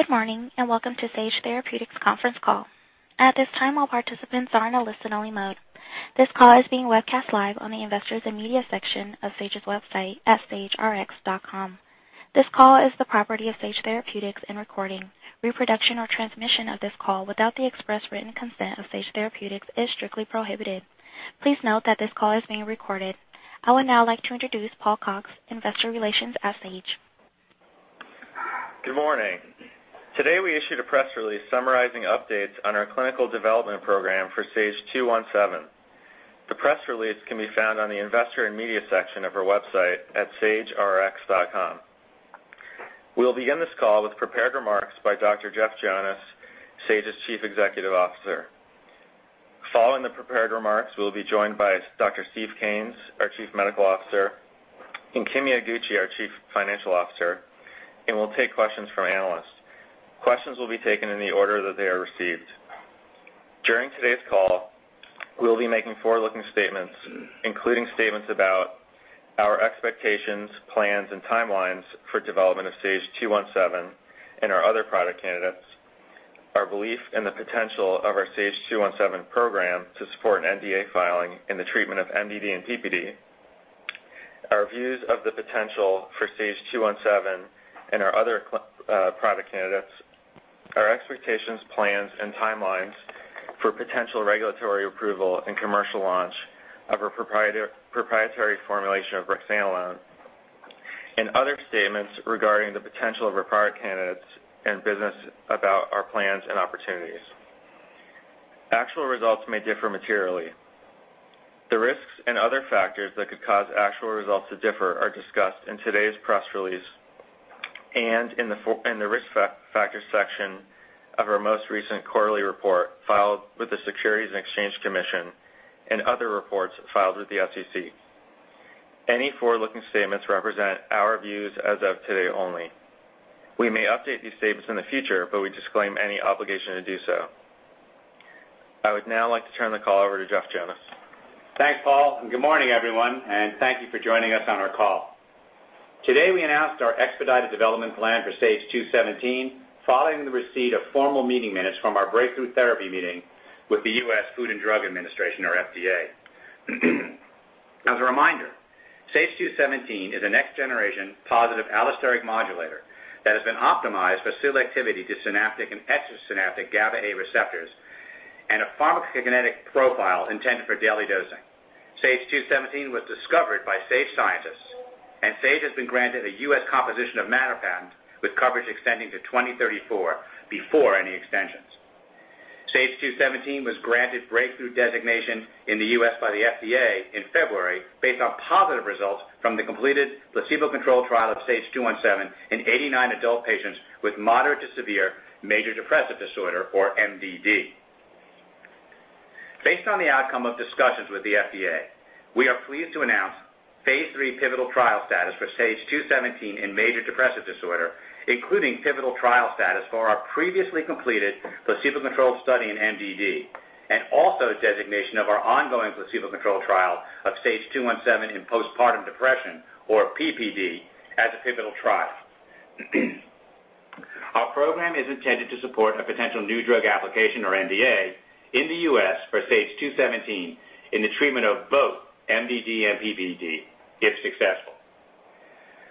Good morning. Welcome to Sage Therapeutics conference call. At this time, all participants are in a listen-only mode. This call is being webcast live on the Investors and Media section of Sage's website at sagerx.com. This call is the property of Sage Therapeutics and recording, reproduction or transmission of this call without the express written consent of Sage Therapeutics is strictly prohibited. Please note that this call is being recorded. I would now like to introduce Paul Cox, investor relations at Sage. Good morning. Today we issued a press release summarizing updates on our clinical development program for SAGE-217. The press release can be found on the Investor and Media section of our website at sagerx.com. We'll begin this call with prepared remarks by Dr. Jeff Jonas, Sage's Chief Executive Officer. Following the prepared remarks, we'll be joined by Dr. Stephen Kanes, our Chief Medical Officer, and Kimi Iguchi, our Chief Financial Officer, and we'll take questions from analysts. Questions will be taken in the order that they are received. During today's call, we'll be making forward-looking statements, including statements about our expectations, plans, and timelines for development of SAGE-217 and our other product candidates, our belief in the potential of our SAGE-217 program to support an NDA filing in the treatment of MDD and PPD, our views of the potential for SAGE-217 and our other product candidates, our expectations, plans, and timelines for potential regulatory approval and commercial launch of our proprietary formulation of brexanolone, and other statements regarding the potential of our product candidates and business about our plans and opportunities. Actual results may differ materially. The risks and other factors that could cause actual results to differ are discussed in today's press release and in the risk factors section of our most recent quarterly report filed with the Securities and Exchange Commission and other reports filed with the SEC. Any forward-looking statements represent our views as of today only. We may update these statements in the future. We disclaim any obligation to do so. I would now like to turn the call over to Jeff Jonas. Thanks, Paul. Good morning, everyone, and thank you for joining us on our call. Today we announced our expedited development plan for SAGE-217 following the receipt of formal meeting minutes from our breakthrough therapy meeting with the U.S. Food and Drug Administration or FDA. As a reminder, SAGE-217 is a next-generation positive allosteric modulator that has been optimized for selectivity to synaptic and extrasynaptic GABA-A receptors and a pharmacokinetic profile intended for daily dosing. SAGE-217 was discovered by Sage scientists, and Sage has been granted a U.S. composition of matter patent with coverage extending to 2034 before any extensions. SAGE-217 was granted breakthrough designation in the U.S. by the FDA in February based on positive results from the completed placebo-controlled trial of SAGE-217 in 89 adult patients with moderate to severe major depressive disorder or MDD. Based on the outcome of discussions with the FDA, we are pleased to announce phase III pivotal trial status for SAGE-217 in major depressive disorder, including pivotal trial status for our previously completed placebo-controlled study in MDD and also designation of our ongoing placebo-controlled trial of SAGE-217 in postpartum depression or PPD as a pivotal trial. Our program is intended to support a potential new drug application or NDA in the U.S. for SAGE-217 in the treatment of both MDD and PPD if successful.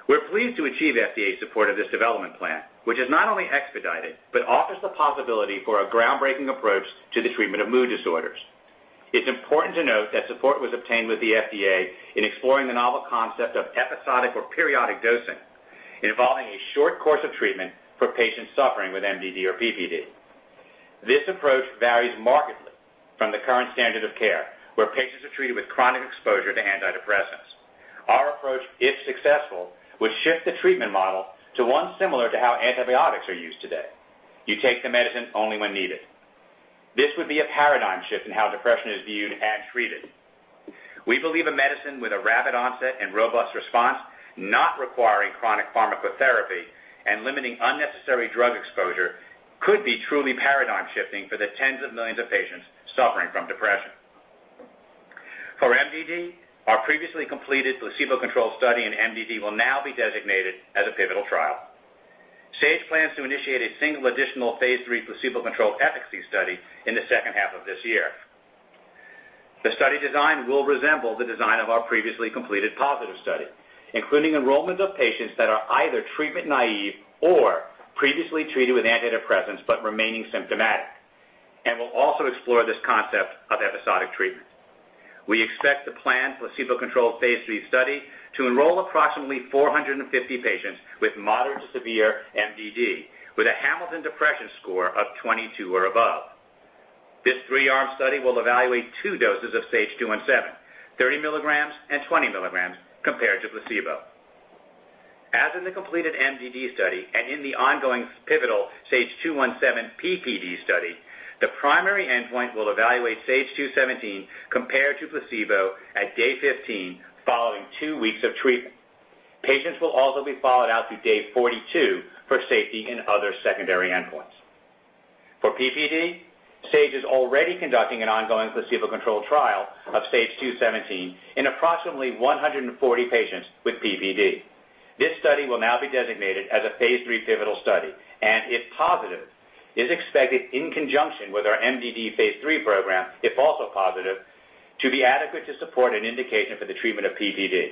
We're pleased to achieve FDA support of this development plan, which is not only expedited but offers the possibility for a groundbreaking approach to the treatment of mood disorders. It's important to note that support was obtained with the FDA in exploring the novel concept of episodic or periodic dosing involving a short course of treatment for patients suffering with MDD or PPD. This approach varies markedly from the current standard of care, where patients are treated with chronic exposure to antidepressants. Our approach, if successful, would shift the treatment model to one similar to how antibiotics are used today. You take the medicine only when needed. This would be a paradigm shift in how depression is viewed and treated. We believe a medicine with a rapid onset and robust response, not requiring chronic pharmacotherapy and limiting unnecessary drug exposure, could be truly paradigm-shifting for the tens of millions of patients suffering from depression. For MDD, our previously completed placebo-controlled study in MDD will now be designated as a pivotal trial. Sage plans to initiate a single additional phase III placebo-controlled efficacy study in the second half of this year. The study design will resemble the design of our previously completed positive study, including enrollment of patients that are either treatment naive or previously treated with antidepressants but remaining symptomatic, will also explore this concept of episodic treatment. We expect the planned placebo-controlled phase III study to enroll approximately 450 patients with moderate to severe MDD with a Hamilton Depression score of 22 or above. This three-arm study will evaluate two doses of SAGE-217, 30 milligrams and 20 milligrams compared to placebo. As in the completed MDD study and in the ongoing pivotal SAGE-217 PPD study, the primary endpoint will evaluate SAGE-217 compared to placebo at day 15 following two weeks of treatment. Patients will also be followed out to day 42 for safety and other secondary endpoints. For PPD, Sage is already conducting an ongoing placebo-controlled trial of SAGE-217 in approximately 140 patients with PPD. This study will now be designated as a phase III pivotal study, and if positive, is expected in conjunction with our MDD phase III program, if also positive, to be adequate to support an indication for the treatment of PPD.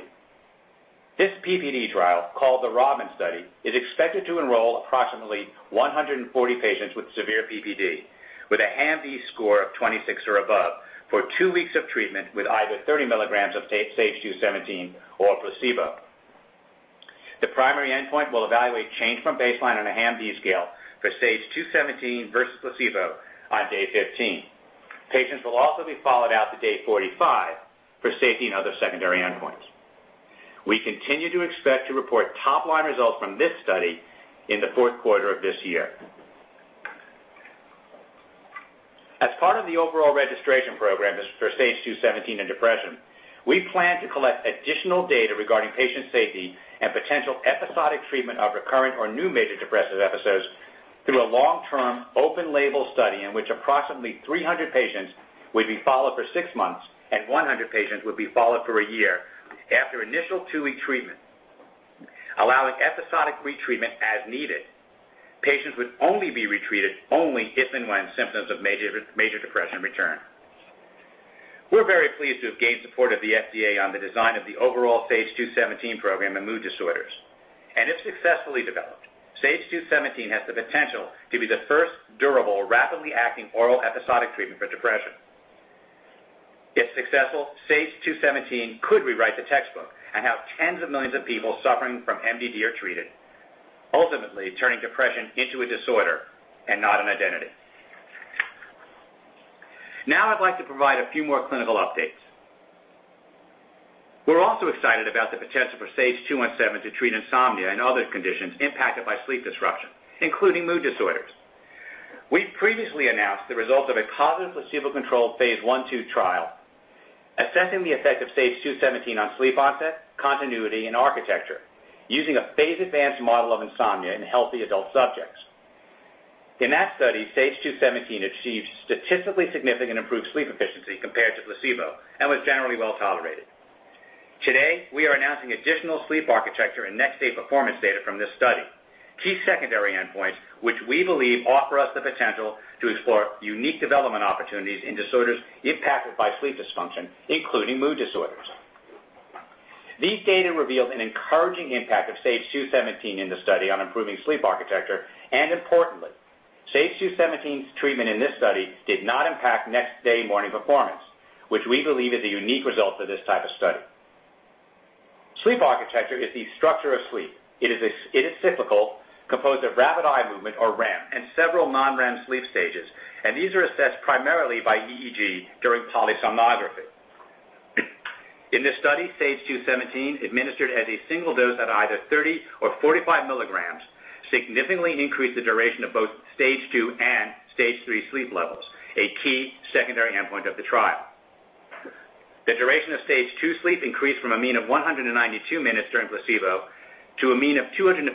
This PPD trial, called the ROBIN Study, is expected to enroll approximately 140 patients with severe PPD with a HAM-D score of 26 or above for two weeks of treatment with either 30 milligrams of SAGE-217 or a placebo. The primary endpoint will evaluate change from baseline on a HAM-D scale for SAGE-217 versus placebo on day 15. Patients will also be followed out to day 45 for safety and other secondary endpoints. We continue to expect to report top-line results from this study in the fourth quarter of this year. As part of the overall registration program for SAGE-217 and depression, we plan to collect additional data regarding patient safety and potential episodic treatment of recurrent or new major depressive episodes through a long-term open-label study in which approximately 300 patients will be followed for six months and 100 patients will be followed for a year after initial two-week treatment, allowing episodic retreatment as needed. Patients would only be retreated only if and when symptoms of major depression return. We're very pleased to have gained support of the FDA on the design of the overall SAGE-217 program in mood disorders. If successfully developed, SAGE-217 has the potential to be the first durable, rapidly acting oral episodic treatment for depression. If successful, SAGE-217 could rewrite the textbook and have tens of millions of people suffering from MDD are treated, ultimately turning depression into a disorder and not an identity. I'd like to provide a few more clinical updates. We're also excited about the potential for SAGE-217 to treat insomnia and other conditions impacted by sleep disruption, including mood disorders. We've previously announced the result of a positive placebo-controlled phase I-II trial assessing the effect of SAGE-217 on sleep onset, continuity, and architecture using a phase-advanced model of insomnia in healthy adult subjects. In that study, SAGE-217 achieved statistically significant improved sleep efficiency compared to placebo and was generally well tolerated. Today, we are announcing additional sleep architecture and next-day performance data from this study. Key secondary endpoints, which we believe offer us the potential to explore unique development opportunities in disorders impacted by sleep dysfunction, including mood disorders. These data revealed an encouraging impact of SAGE-217 in the study on improving sleep architecture, and importantly, SAGE-217's treatment in this study did not impact next-day morning performance, which we believe is a unique result for this type of study. Sleep architecture is the structure of sleep. It is cyclical, composed of rapid eye movement or REM, and several non-REM sleep stages. These are assessed primarily by EEG during polysomnography. In this study, SAGE-217 administered as a single dose at either 30 or 45 milligrams, significantly increased the duration of both stage 2 and stage 3 sleep levels, a key secondary endpoint of the trial. The duration of stage 2 sleep increased from a mean of 192 minutes during placebo to a mean of 258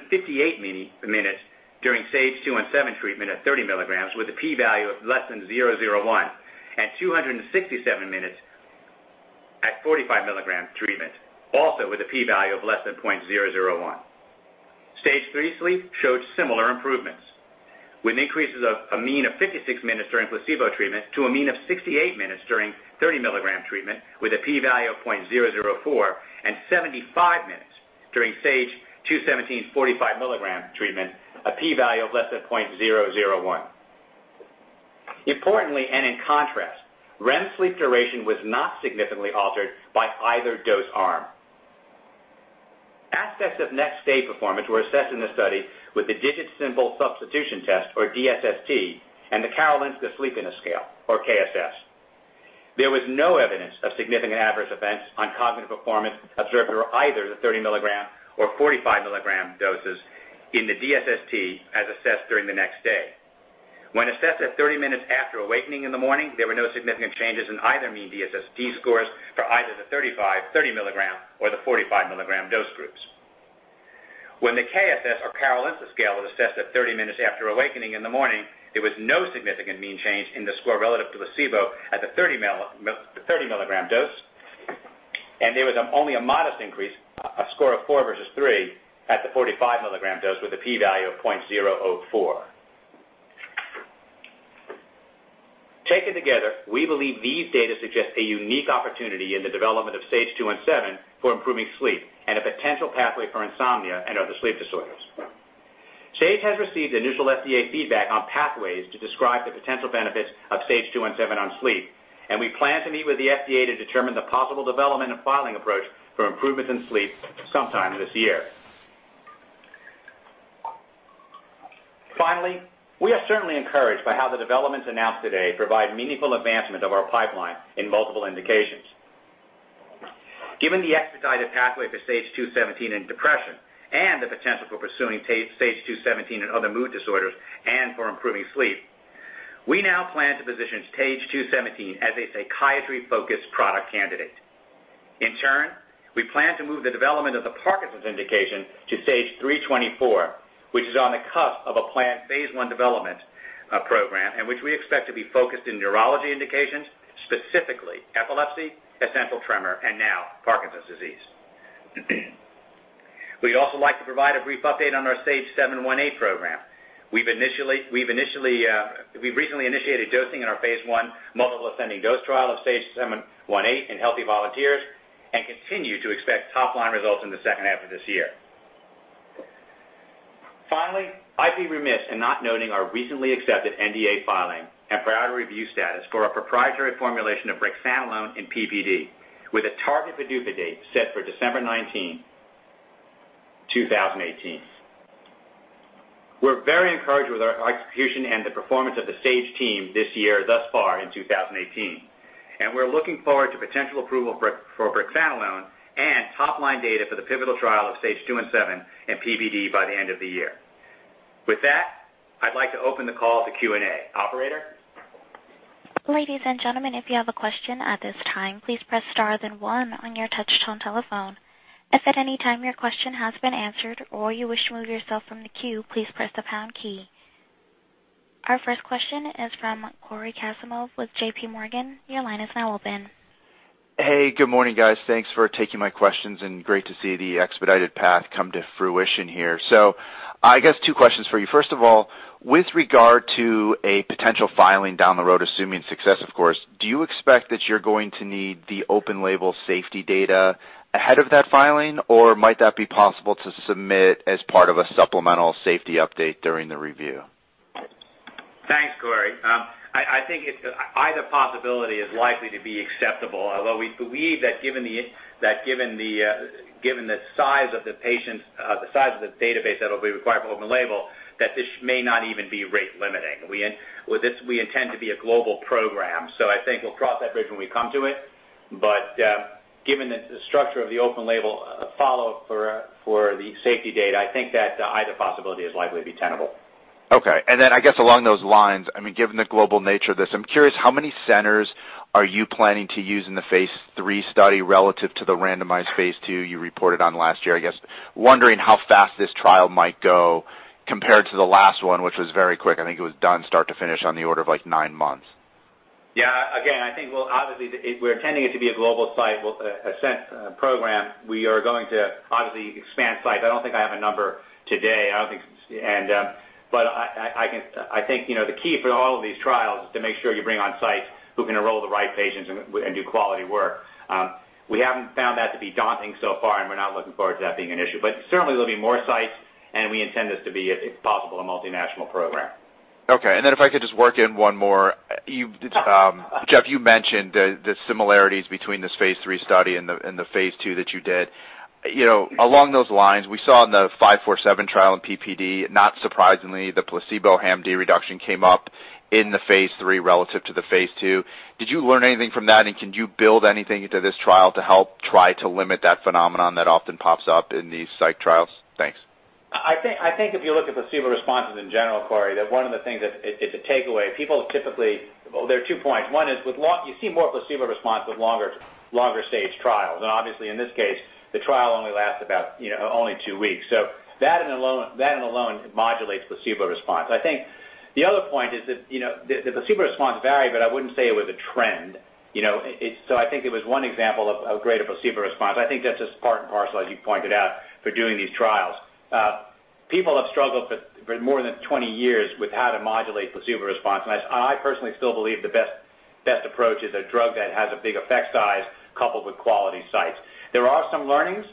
minutes during SAGE-217 treatment at 30 milligrams with a P value of less than 0.001, and 267 minutes at 45-milligram treatment, also with a P value of less than 0.001. Stage 3 sleep showed similar improvements with increases of a mean of 56 minutes during placebo treatment to a mean of 68 minutes during 30-milligram treatment with a P value of 0.004 and 75 minutes during SAGE-217 45-milligram treatment, a P value of less than 0.001. Importantly, in contrast, REM sleep duration was not significantly altered by either dose arm. Aspects of next-day performance were assessed in the study with the Digit Symbol Substitution Test, or DSST, and the Karolinska Sleepiness Scale, or KSS. There was no evidence of significant adverse events on cognitive performance observed for either the 30-milligram or 45-milligram doses in the DSST as assessed during the next day. When assessed at 30 minutes after awakening in the morning, there were no significant changes in either mean DSST scores for either the 30-milligram or the 45-milligram dose groups. When the KSS or Karolinska scale was assessed at 30 minutes after awakening in the morning, there was no significant mean change in the score relative to placebo at the 30-milligram dose, and there was only a modest increase, a score of 4 versus 3, at the 45-milligram dose with a P value of 0.004. Taken together, we believe these data suggest a unique opportunity in the development of SAGE-217 for improving sleep and a potential pathway for insomnia and other sleep disorders. Sage has received initial FDA feedback on pathways to describe the potential benefits of SAGE-217 on sleep. We plan to meet with the FDA to determine the possible development and filing approach for improvements in sleep sometime this year. We are certainly encouraged by how the developments announced today provide meaningful advancement of our pipeline in multiple indications. Given the expedited pathway for SAGE-217 in depression and the potential for pursuing SAGE-217 in other mood disorders and for improving sleep, we now plan to position SAGE-217 as a psychiatry-focused product candidate. In turn, we plan to move the development of the Parkinson's indication to SAGE-324, which is on the cusp of a planned phase I development program, and which we expect to be focused in neurology indications, specifically epilepsy, essential tremor, and now Parkinson's disease. We'd also like to provide a brief update on our SAGE-718 program. We've recently initiated dosing in our phase I multiple ascending dose trial of SAGE-718 in healthy volunteers and continue to expect top-line results in the second half of this year. I'd be remiss in not noting our recently accepted NDA filing and priority review status for our proprietary formulation of brexanolone in PPD, with a target PDUFA date set for December 19, 2018. We're very encouraged with our execution and the performance of the Sage team this year thus far in 2018. We're looking forward to potential approval for brexanolone and top-line data for the pivotal trial of SAGE-217 and PPD by the end of the year. With that, I'd like to open the call to Q&A. Operator? Ladies and gentlemen, if you have a question at this time, please press star then one on your touchtone telephone. If at any time your question has been answered or you wish to remove yourself from the queue, please press the pound key. Our first question is from Cory Kasimov with J.P. Morgan. Your line is now open. Hey, good morning, guys. Thanks for taking my questions and great to see the expedited path come to fruition here. I guess two questions for you. First of all, with regard to a potential filing down the road, assuming success, of course, do you expect that you're going to need the open-label safety data ahead of that filing, or might that be possible to submit as part of a supplemental safety update during the review? Thanks, Cory. I think either possibility is likely to be acceptable, although we believe that given the size of the database that will be required for open label, that this may not even be rate limiting. With this, we intend to be a global program, so I think we'll cross that bridge when we come to it. Given the structure of the open label follow for the safety data, I think that either possibility is likely to be tenable. Okay. I guess along those lines, given the global nature of this, I'm curious how many centers are you planning to use in the phase III study relative to the randomized phase II you reported on last year? I guess wondering how fast this trial might go compared to the last one, which was very quick. I think it was done start to finish on the order of nine months. Yeah. Again, I think we're intending it to be a global site, [ascent] program. We are going to obviously expand sites. I don't think I have a number today. I think, the key for all of these trials is to make sure you bring on sites who can enroll the right patients and do quality work. We haven't found that to be daunting so far, and we're not looking forward to that being an issue. Certainly there'll be more sites, and we intend this to be, if possible, a multinational program. Okay. Then if I could just work in one more. Jeff, you mentioned the similarities between this phase III study and the phase II that you did. Along those lines, we saw in the SAGE-547 trial in PPD, not surprisingly, the placebo HAM-D reduction came up in the phase III relative to the phase II. Did you learn anything from that, and can you build anything into this trial to help try to limit that phenomenon that often pops up in these psych trials? Thanks. I think if you look at placebo responses in general, Cory, that one of the things that it's a takeaway, people typically, well, there are two points. One is you see more placebo response with longer stage trials. Obviously in this case, the trial only lasts about only two weeks. That alone modulates placebo response. I think the other point is that the placebo response varied, I wouldn't say it was a trend. I think it was one example of a greater placebo response. I think that's just part and parcel, as you pointed out, for doing these trials. People have struggled for more than 20 years with how to modulate placebo response. I personally still believe the best approach is a drug that has a big effect size coupled with quality sites. There are some learnings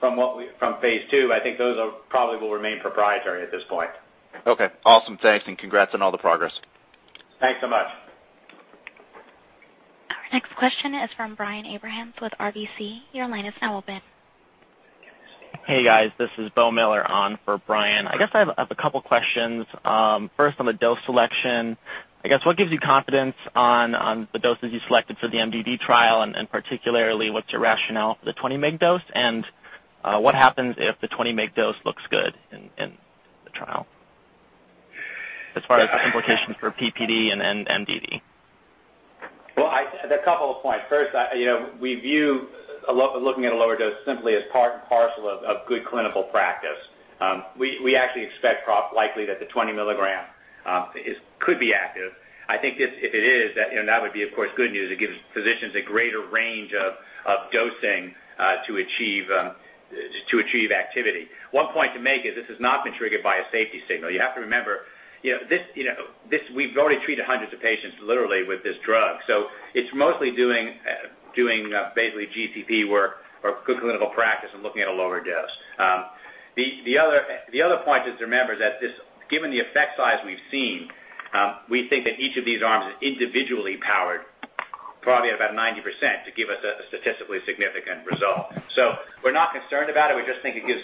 from phase II. I think those probably will remain proprietary at this point. Okay, awesome. Thanks, and congrats on all the progress. Thanks so much. Our next question is from Brian Abrahams with RBC. Your line is now open. Hey, guys. This is Beau Miller on for Brian. I guess I have a couple questions. First on the dose selection. I guess what gives you confidence on the doses you selected for the MDD trial, and particularly, what's your rationale for the 20-mg dose? What happens if the 20-mg dose looks good in the trial as far as implications for PPD and MDD? Well, a couple of points. First, we view looking at a lower dose simply as part and parcel of good clinical practice. We actually expect likely that the 20 milligram could be active. I think if it is, that would be, of course, good news. It gives physicians a greater range of dosing to achieve activity. One point to make is this has not been triggered by a safety signal. You have to remember, we've already treated hundreds of patients literally with this drug. It's mostly doing basically GCP work or good clinical practice and looking at a lower dose. The other point is to remember that given the effect size we've seen, we think that each of these arms is individually powered probably at about 90% to give us a statistically significant result. We're not concerned about it. We just think it gives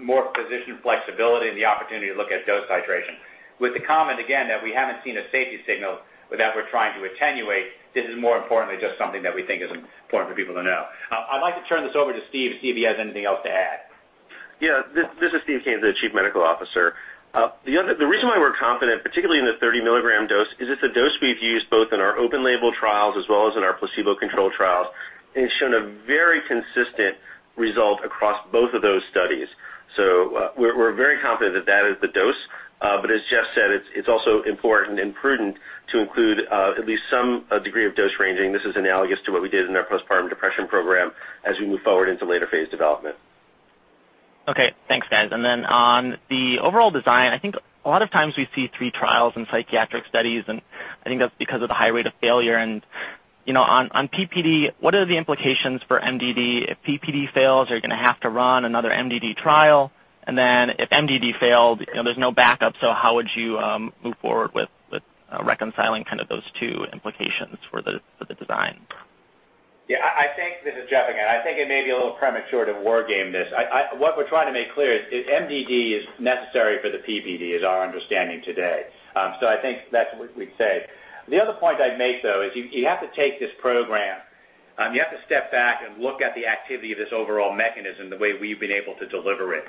more physician flexibility and the opportunity to look at dose titration. With the comment, again, that we haven't seen a safety signal that we're trying to attenuate, this is more importantly just something that we think is important for people to know. I'd like to turn this over to Steve, see if he has anything else to add. Yeah. This is Steve Kanes, the Chief Medical Officer. The reason why we're confident, particularly in the 30 milligram dose, is it's a dose we've used both in our open label trials as well as in our placebo-controlled trials, and it's shown a very consistent result across both of those studies. We're very confident that is the dose. As Jeff said, it's also important and prudent to include at least some degree of dose ranging. This is analogous to what we did in our postpartum depression program as we move forward into later phase development. Okay. Thanks, guys. Then on the overall design, I think a lot of times we see three trials in psychiatric studies, and I think that's because of the high rate of failure and on PPD, what are the implications for MDD? If PPD fails, are you going to have to run another MDD trial? Then if MDD failed, there's no backup, how would you move forward with reconciling those two implications for the design? Yeah. This is Jeff again. I think it may be a little premature to war game this. What we're trying to make clear is MDD is necessary for the PPD, is our understanding today. I think that's what we'd say. The other point I'd make, though, is you have to take this program, and you have to step back and look at the activity of this overall mechanism, the way we've been able to deliver it.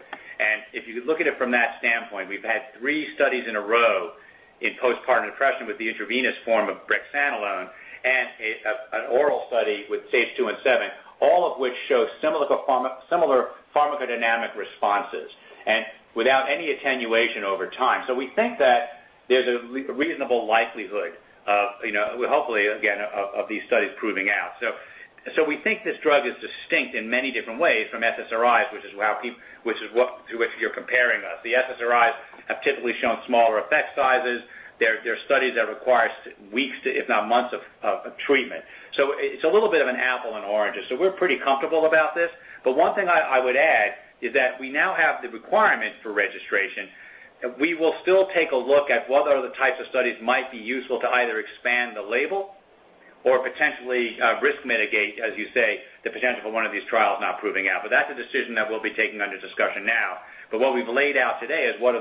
If you look at it from that standpoint, we've had three studies in a row in postpartum depression with the intravenous form of brexanolone and an oral study with SAGE-217, all of which show similar pharmacodynamic responses and without any attenuation over time. We think that there's a reasonable likelihood of, hopefully, again, of these studies proving out. We think this drug is distinct in many different ways from SSRIs, to which you're comparing us. The SSRIs have typically shown smaller effect sizes. They're studies that require weeks, if not months of treatment. It's a little bit of an apple and oranges, so we're pretty comfortable about this. One thing I would add is that we now have the requirement for registration. We will still take a look at what other types of studies might be useful to either expand the label or potentially risk mitigate, as you say, the potential for one of these trials not proving out. That's a decision that we'll be taking under discussion now. What we've laid out today is what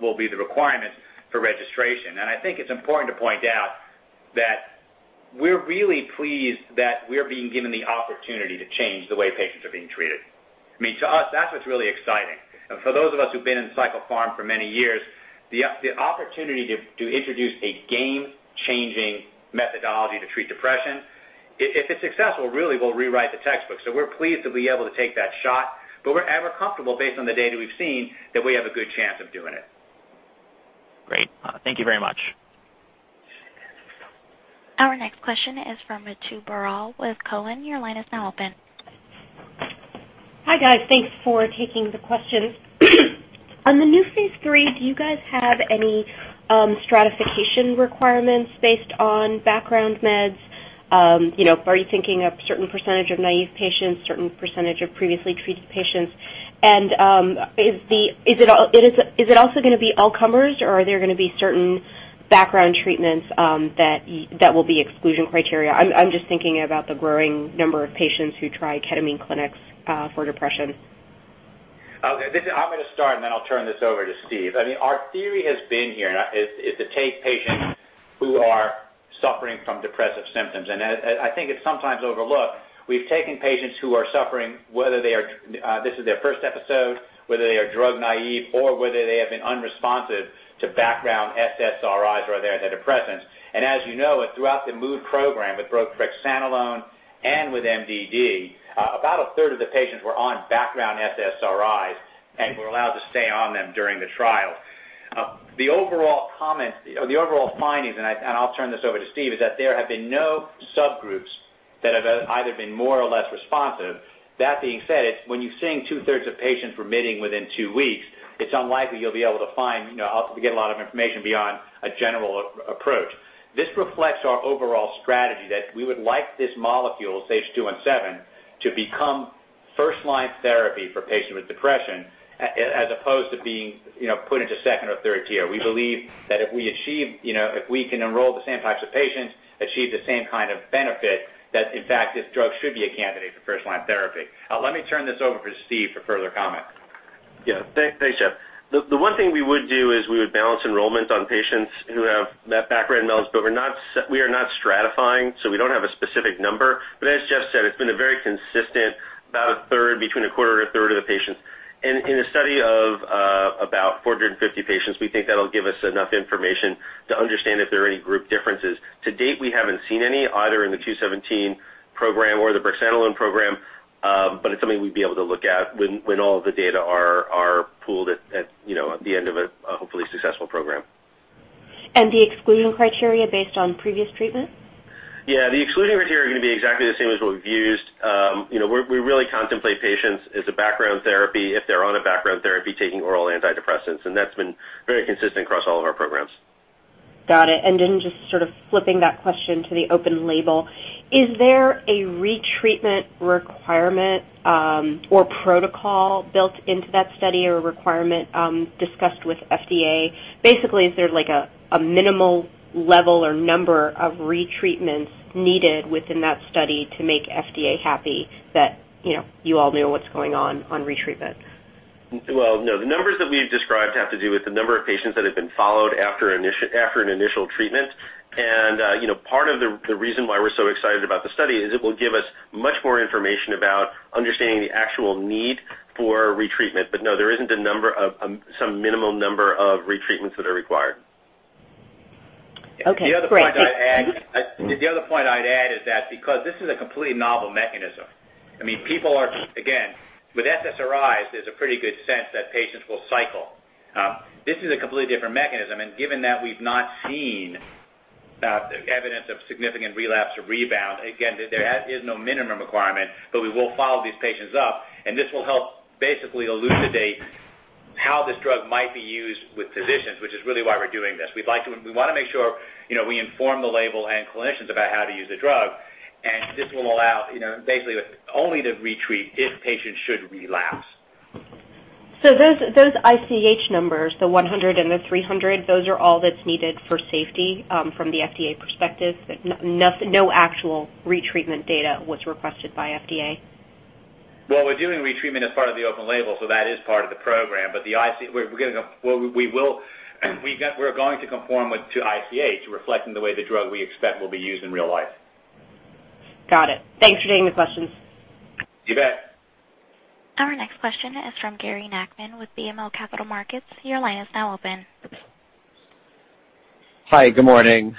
will be the requirements for registration. I think it's important to point out that we're really pleased that we are being given the opportunity to change the way patients are being treated. I mean, to us, that's what's really exciting. For those of us who've been in psychopharm for many years, the opportunity to introduce a game-changing methodology to treat depression, if it's successful, really will rewrite the textbook. We're pleased to be able to take that shot, but we're comfortable based on the data we've seen, that we have a good chance of doing it. Great. Thank you very much. Our next question is from Ritu Baral with Cowen. Your line is now open. Hi, guys. Thanks for taking the question. On the new phase III, do you guys have any stratification requirements based on background meds? Are you thinking of certain percentage of naive patients, certain percentage of previously treated patients? Is it also going to be all comers or are there going to be certain background treatments that will be exclusion criteria? I'm just thinking about the growing number of patients who try ketamine clinics for depression. Okay. I'm going to start, then I'll turn this over to Steve. Our theory has been here is to take patients who are suffering from depressive symptoms, and I think it's sometimes overlooked. We've taken patients who are suffering, whether this is their first episode, whether they are drug naive or whether they have been unresponsive to background SSRIs or other antidepressants. As you know, throughout the mood program, with both brexanolone and with MDD, about two-thirds of the patients were on background SSRIs and were allowed to stay on them during the trial. The overall findings, and I'll turn this over to Steve, is that there have been no subgroups that have either been more or less responsive. That being said, when you're seeing two-thirds of patients remitting within two weeks, it's unlikely you'll be able to get a lot of information beyond a general approach. This reflects our overall strategy that we would like this molecule, SAGE-217, to become first-line therapy for patients with depression as opposed to being put into 2nd or 3rd tier. We believe that if we can enroll the same types of patients, achieve the same kind of benefit, that in fact, this drug should be a candidate for first-line therapy. Let me turn this over to Steve for further comment. Yeah. Thanks, Jeff. The one thing we would do is we would balance enrollment on patients who have met background meds, but we are not stratifying, so we don't have a specific number. As Jeff said, it's been a very consistent, about a third, between a quarter to a third of the patients. In a study of about 450 patients, we think that'll give us enough information to understand if there are any group differences. To date, we haven't seen any, either in the SAGE-217 program or the brexanolone program. It's something we'd be able to look at when all of the data are pooled at the end of a hopefully successful program. The exclusion criteria based on previous treatment? Yeah. The exclusion criteria are going to be exactly the same as what we've used. We really contemplate patients as a background therapy if they're on a background therapy taking oral antidepressants, and that's been very consistent across all of our programs. Got it. Just sort of flipping that question to the open label, is there a retreatment requirement or protocol built into that study or requirement discussed with FDA? Basically, is there a minimal level or number of retreatments needed within that study to make FDA happy that you all know what's going on retreatment? No. The numbers that we've described have to do with the number of patients that have been followed after an initial treatment. Part of the reason why we're so excited about the study is it will give us much more information about understanding the actual need for retreatment. No, there isn't some minimal number of retreatments that are required. Okay, great. The other point I'd add is that because this is a completely novel mechanism, people are, again, with SSRIs, there's a pretty good sense that patients will cycle. This is a completely different mechanism. Given that we've not seen evidence of significant relapse or rebound, again, there is no minimum requirement, but we will follow these patients up. This will help basically elucidate how this drug might be used with physicians, which is really why we're doing this. We want to make sure we inform the label and clinicians about how to use the drug. This will allow basically only to re-treat if patients should relapse. Those ICH numbers, the 100 and the 300, those are all that's needed for safety from the FDA perspective? No actual retreatment data was requested by FDA? We're doing retreatment as part of the open label, so that is part of the program. We're going to conform to ICH, reflecting the way the drug we expect will be used in real life. Got it. Thanks for taking the questions. You bet. Our next question is from Gary Nachman with BMO Capital Markets. Your line is now open. Hi, good morning.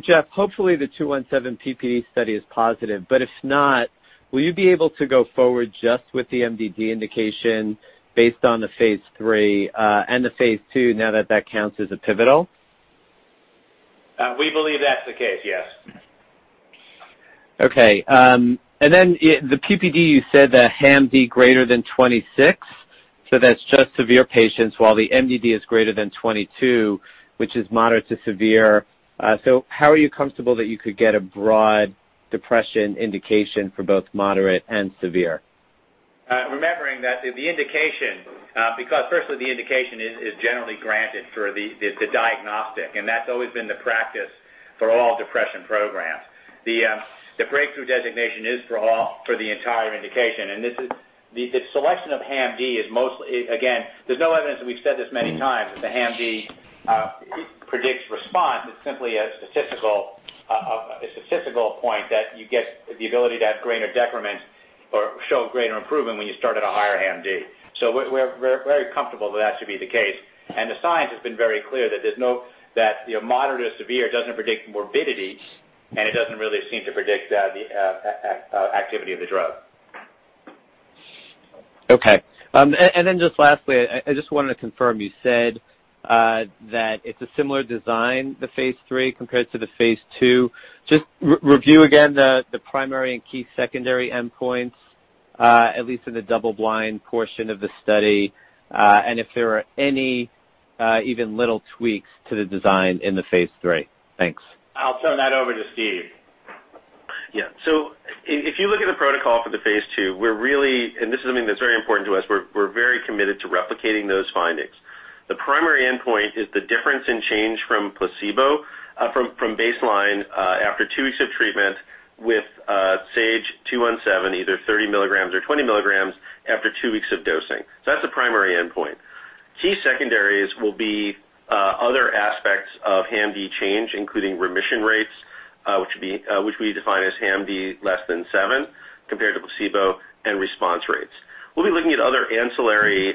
Jeff, hopefully the SAGE-217 PP study is positive, if not, will you be able to go forward just with the MDD indication based on the phase III and the phase II now that that counts as a pivotal? We believe that's the case, yes. Okay. The PPD, you said the HAM-D greater than 26, that's just severe patients, while the MDD is greater than 22, which is moderate to severe. How are you comfortable that you could get a broad depression indication for both moderate and severe? Remembering that the indication, because firstly, the indication is generally granted through the diagnostic, that's always been the practice for all depression programs. The breakthrough designation is for the entire indication, the selection of HAM-D is mostly, again, there's no evidence, we've said this many times, that the HAM-D predicts response. It's simply a statistical point that you get the ability to have greater decrement or show greater improvement when you start at a higher HAM-D. We're very comfortable that that should be the case. The science has been very clear that moderate to severe doesn't predict morbidity, it doesn't really seem to predict the activity of the drug. Just lastly, I just wanted to confirm, you said that it's a similar design, the phase III compared to the phase II. Just review again the primary and key secondary endpoints, at least in the double-blind portion of the study, and if there are any even little tweaks to the design in the phase III. Thanks. I'll turn that over to Steve. Yeah. If you look at the protocol for the phase II, and this is something that's very important to us, we're very committed to replicating those findings. The primary endpoint is the difference in change from baseline after two weeks of treatment with SAGE-217, either 30 milligrams or 20 milligrams after two weeks of dosing. That's the primary endpoint. Key secondaries will be other aspects of HAM-D change, including remission rates, which we define as HAM-D less than seven compared to placebo, and response rates. We'll be looking at other ancillary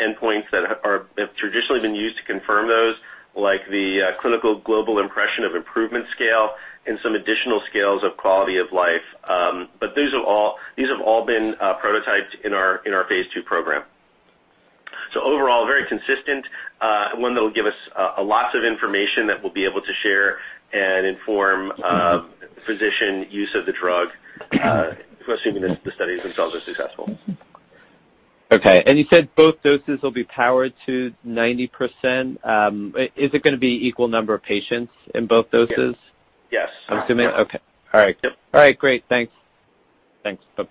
endpoints that have traditionally been used to confirm those, like the Clinical Global Impression of Improvement scale and some additional scales of quality of life. These have all been prototyped in our phase II program. Overall, very consistent, one that'll give us lots of information that we'll be able to share and inform physician use of the drug, assuming the studies themselves are successful. Okay, you said both doses will be powered to 90%. Is it going to be equal number of patients in both doses? Yes. I'm assuming. Okay. All right. Yep. All right, great. Thanks. Thanks. Bye.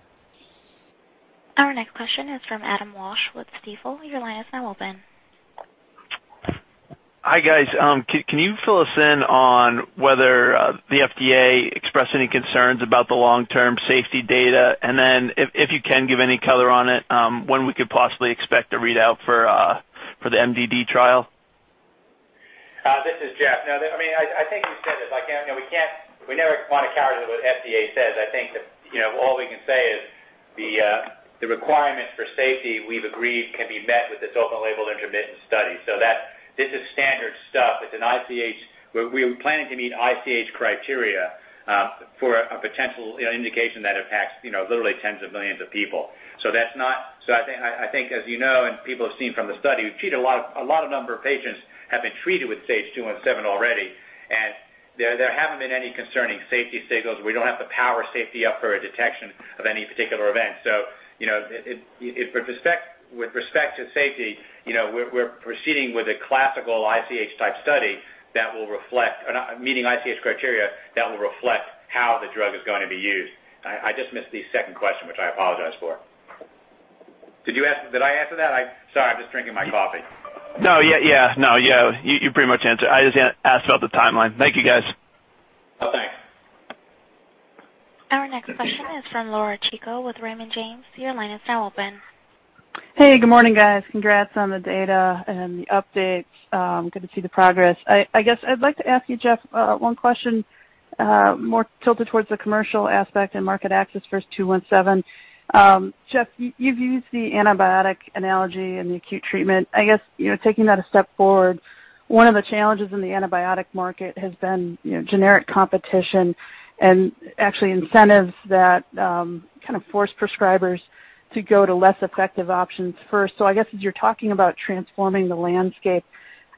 Our next question is from Adam Walsh with Stifel. Your line is now open. Hi, guys. Can you fill us in on whether the FDA expressed any concerns about the long-term safety data? If you can give any color on it, when we could possibly expect a readout for the MDD trial? This is Jeff. No, I think we've said this. We never want to counter what FDA says. I think that all we can say is the requirements for safety we've agreed can be met with this open label intermittent study. This is standard stuff. We're planning to meet ICH criteria for a potential indication that impacts literally tens of millions of people. I think, as you know, and people have seen from the study, a lot of number of patients have been treated with SAGE-217 already, and there haven't been any concerning safety signals. We don't have the power safety up for a detection of any particular event. With respect to safety, we're proceeding with a classical ICH type study, meeting ICH criteria, that will reflect how the drug is going to be used. I just missed the second question, which I apologize for. Did I answer that? Sorry, I'm just drinking my coffee. No. Yeah. You pretty much answered. I just asked about the timeline. Thank you, guys. Oh, thanks. Our next question is from Laura Chico with Raymond James. Your line is now open. Hey, good morning, guys. Congrats on the data and the updates. Good to see the progress. I guess I'd like to ask you, Jeff, one question. More tilted towards the commercial aspect and market access for S-217. Jeff, you've used the antibiotic analogy and the acute treatment. I guess, taking that a step forward, one of the challenges in the antibiotic market has been generic competition and actually incentives that force prescribers to go to less effective options first. I guess as you're talking about transforming the landscape,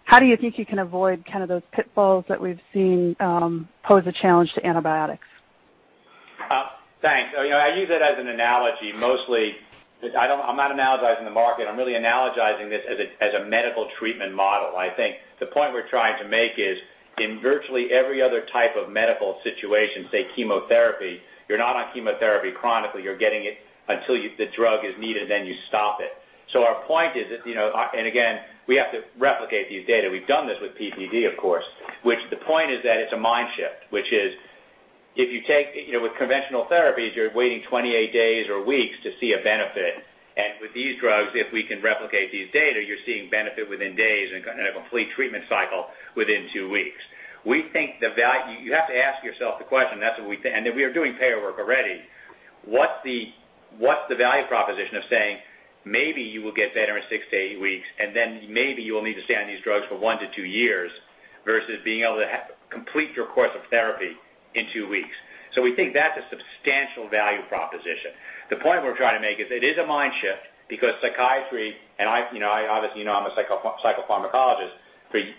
how do you think you can avoid those pitfalls that we've seen pose a challenge to antibiotics? Thanks. I use it as an analogy. Mostly, I'm not analogizing the market. I'm really analogizing this as a medical treatment model. I think the point we're trying to make is, in virtually every other type of medical situation, say chemotherapy, you're not on chemotherapy chronically. You're getting it until the drug is needed, then you stop it. Our point is that, and again, we have to replicate these data. We've done this with PPD, of course, which the point is that it's a mind shift, which is, with conventional therapies, you're waiting 28 days or weeks to see a benefit. With these drugs, if we can replicate these data, you're seeing benefit within days and a complete treatment cycle within two weeks. You have to ask yourself the question, and we are doing payer work already, what's the value proposition of saying maybe you will get better in six to eight weeks, and then maybe you will need to stay on these drugs for one to two years versus being able to complete your course of therapy in two weeks? We think that's a substantial value proposition. The point we're trying to make is it is a mind shift because psychiatry, and obviously, you know I'm a psychopharmacologist,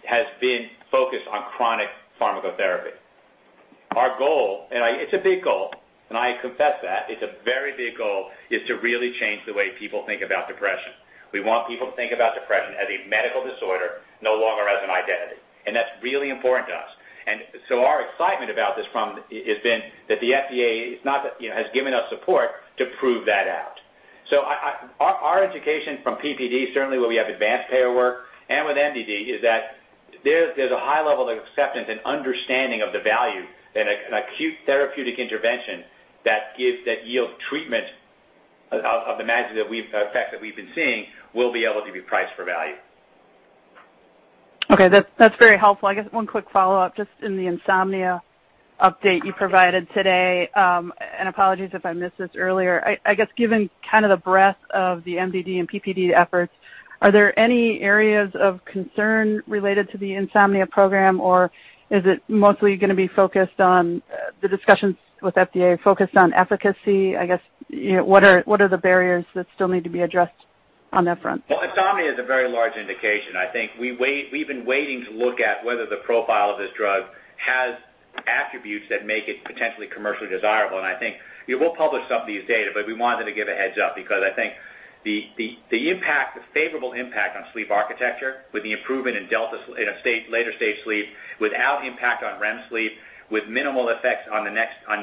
has been focused on chronic pharmacotherapy. Our goal, and it's a big goal, and I confess that, it's a very big goal, is to really change the way people think about depression. We want people to think about depression as a medical disorder, no longer as an identity. That's really important to us. Our excitement about this has been that the FDA has given us support to prove that out. Our education from PPD, certainly where we have advanced payer work and with MDD, is that there's a high level of acceptance and understanding of the value that an acute therapeutic intervention that yields treatment of the effect that we've been seeing will be able to be priced for value. Okay. That's very helpful. I guess one quick follow-up, just in the insomnia update you provided today, and apologies if I missed this earlier. I guess given the breadth of the MDD and PPD efforts, are there any areas of concern related to the insomnia program, or is it mostly going to be focused on the discussions with FDA focused on efficacy? I guess, what are the barriers that still need to be addressed on that front? Well, insomnia is a very large indication. I think we've been waiting to look at whether the profile of this drug has attributes that make it potentially commercially desirable. I think we will publish some of these data, but we wanted to give a heads-up because I think the favorable impact on sleep architecture with the improvement in later-stage sleep without impact on REM sleep, with minimal effects on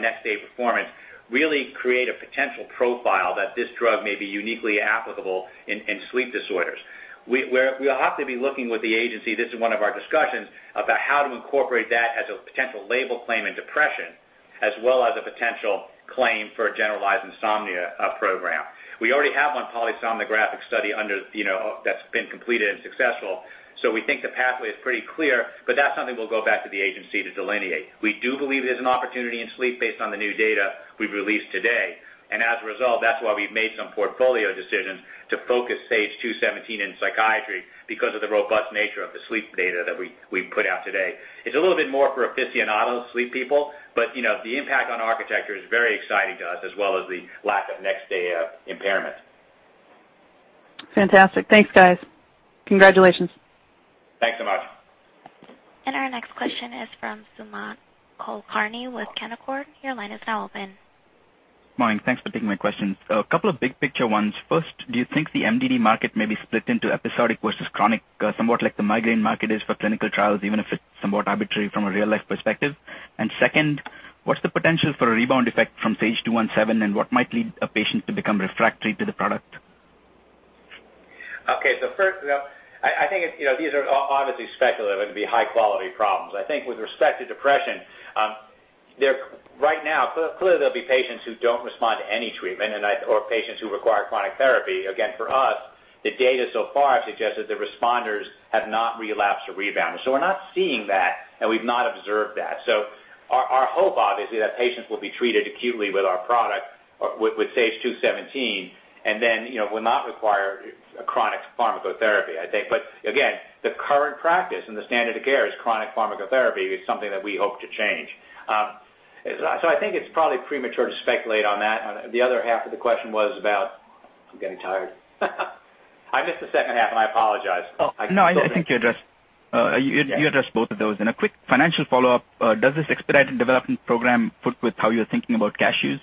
next-day performance, really create a potential profile that this drug may be uniquely applicable in sleep disorders. We'll have to be looking with the agency, this is one of our discussions, about how to incorporate that as a potential label claim in depression as well as a potential claim for a generalized insomnia program. We already have one polysomnographic study that's been completed and successful, so we think the pathway is pretty clear, but that's something we'll go back to the agency to delineate. We do believe there's an opportunity in sleep based on the new data we've released today. As a result, that's why we've made some portfolio decisions to focus SAGE-217 in psychiatry because of the robust nature of the sleep data that we put out today. It's a little bit more for aficionados, sleep people. The impact on architecture is very exciting to us as well as the lack of next-day impairment. Fantastic. Thanks, guys. Congratulations. Thanks so much. Our next question is from Sumant Kulkarni with Canaccord. Your line is now open. Morning. Thanks for taking my questions. A couple of big picture ones. First, do you think the MDD market may be split into episodic versus chronic somewhat like the migraine market is for clinical trials, even if it's somewhat arbitrary from a real-life perspective? Second, what's the potential for a rebound effect from SAGE-217, and what might lead a patient to become refractory to the product? Okay. First, I think these are obviously speculative. It'd be high-quality problems. I think with respect to depression, right now, clearly there'll be patients who don't respond to any treatment or patients who require chronic therapy. Again, for us, the data so far suggests that the responders have not relapsed or rebounded. We're not seeing that, and we've not observed that. Our hope, obviously, that patients will be treated acutely with our product, with SAGE-217, and then will not require a chronic pharmacotherapy, I think. Again, the current practice and the standard of care is chronic pharmacotherapy, is something that we hope to change. I think it's probably premature to speculate on that. The other half of the question was about I'm getting tired. I missed the second half, and I apologize. No, I think you addressed both of those. A quick financial follow-up. Does this expedited development program fit with how you're thinking about cash use?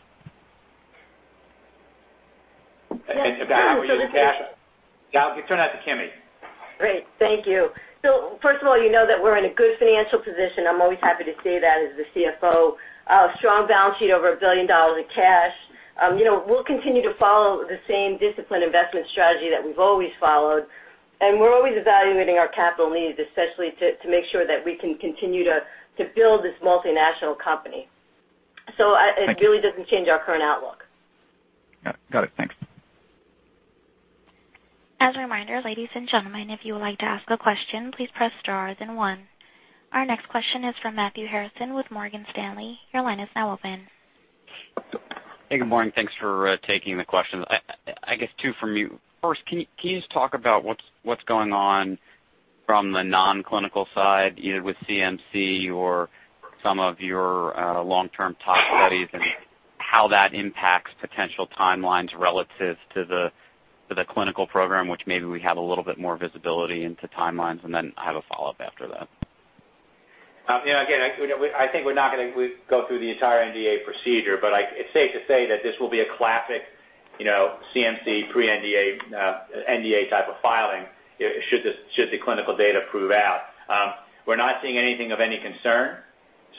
For use of cash? Yes. I'll turn it to Kimi. Great. Thank you. First of all, you know that we're in a good financial position. I'm always happy to say that as the CFO. A strong balance sheet over $1 billion in cash. We'll continue to follow the same disciplined investment strategy that we've always followed. We're always evaluating our capital needs, especially to make sure that we can continue to build this multinational company. It really doesn't change our current outlook. Got it. Thanks. As a reminder, ladies and gentlemen, if you would like to ask a question, please press star then one. Our next question is from Matthew Harrison with Morgan Stanley. Your line is now open. Hey, good morning. Thanks for taking the questions. I guess two from me. First, can you just talk about what's going on from the non-clinical side, either with CMC or some of your long-term tox studies and how that impacts potential timelines relative to the clinical program, which maybe we have a little bit more visibility into timelines? I have a follow-up after that. I think we're not going to go through the entire NDA procedure, but it's safe to say that this will be a classic CMC pre-NDA, NDA type of filing should the clinical data prove out. We're not seeing anything of any concern,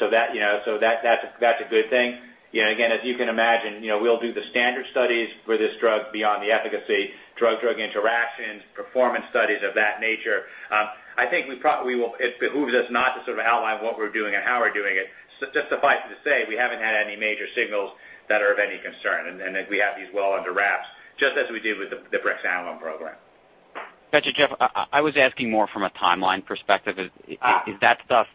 that's a good thing. As you can imagine, we'll do the standard studies for this drug beyond the efficacy, drug-drug interactions, performance studies of that nature. I think it behooves us not to sort of outline what we're doing and how we're doing it. Just suffice it to say, we haven't had any major signals that are of any concern, and we have these well under wraps, just as we did with the brexanolone program. Got you, Jeff. I was asking more from a timeline perspective. Is that stuff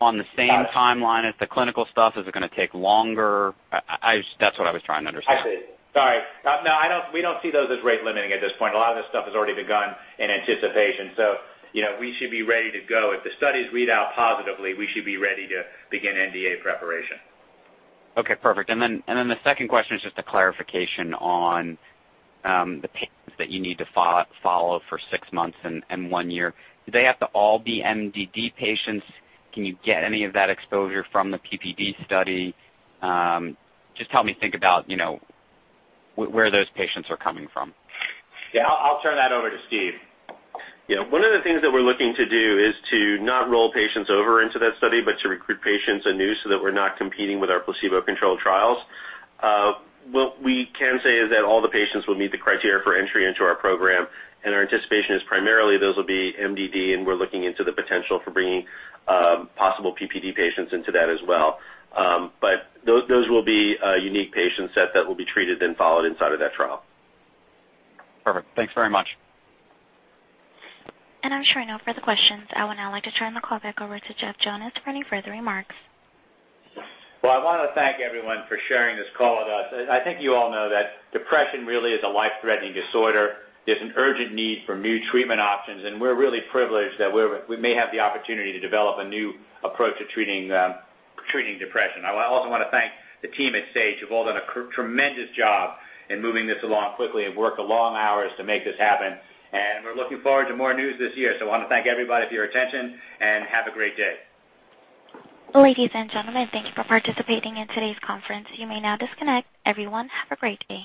on the same timeline as the clinical stuff? Is it going to take longer? That's what I was trying to understand. I see. Sorry. No, we don't see those as rate-limiting at this point. A lot of this stuff has already begun in anticipation. We should be ready to go. If the studies read out positively, we should be ready to begin NDA preparation. Okay, perfect. The second question is just a clarification on the patients that you need to follow for six months and one year. Do they have to all be MDD patients? Can you get any of that exposure from the PPD study? Just help me think about where those patients are coming from. Yeah, I'll turn that over to Steve. One of the things that we're looking to do is to not roll patients over into that study, but to recruit patients anew so that we're not competing with our placebo-controlled trials. What we can say is that all the patients will meet the criteria for entry into our program, and our anticipation is primarily those will be MDD, and we're looking into the potential for bringing possible PPD patients into that as well. Those will be a unique patient set that will be treated, then followed inside of that trial. Perfect. Thanks very much. I'm showing no further questions. I would now like to turn the call back over to Jeff Jonas for any further remarks. Well, I want to thank everyone for sharing this call with us. I think you all know that depression really is a life-threatening disorder. There's an urgent need for new treatment options, and we're really privileged that we may have the opportunity to develop a new approach to treating depression. I also want to thank the team at Sage, who've all done a tremendous job in moving this along quickly and worked long hours to make this happen. We're looking forward to more news this year. I want to thank everybody for your attention, and have a great day. Ladies and gentlemen, thank you for participating in today's conference. You may now disconnect. Everyone, have a great day.